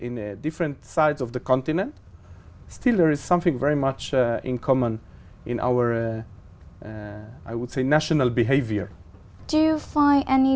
nhưng tôi không thể tìm thấy một hình ảnh của đất nước này